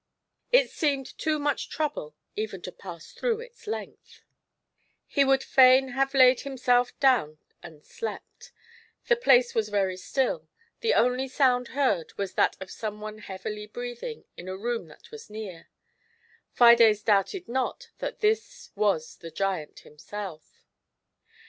It seemed too much trouble even to pass through its length ; he would fain GIANT SLOTH. 31 have laid himself down and slept. Tlie place was very still, the only sound heard was that of some one heavily breathing in a room that was near ; Fides doubted not that this was the giant himself.